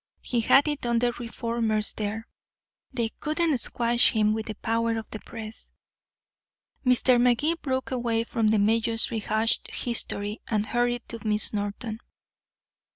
He had it on the reformers there. They couldn't squash him with the power of the press." Mr. Magee broke away from the mayor's rehashed history, and hurried to Miss Norton.